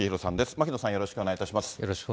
牧野さん、よろしくお願いいたします。